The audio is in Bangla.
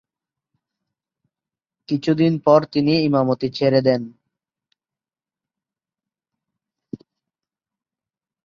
কিছুদিন পর তিনি ইমামতি ছেড়ে দেন।